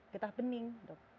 getah bening dok